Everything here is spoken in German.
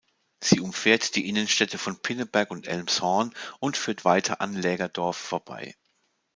Sie umfährt die Innenstädte von Pinneberg und Elmshorn und führt weiter an Lägerdorf vorbei.